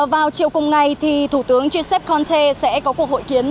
vào chiều cùng ngày thủ tướng giuseppe conte sẽ có cuộc hội kiến